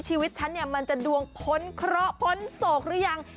ชีวิตฉันเนี่ยมันจะดวงพ้นเคราะห์พ้นโศกหรือยัง